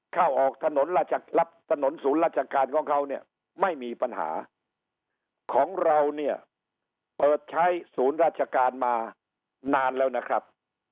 เข้าออกถนนรับถนนศูนย์ราชการของเขาเนี่ยไม่มีปัญหาของเราเนี่ยเปิดใช้ศูนย์ราชการมานานแล้วนะครับ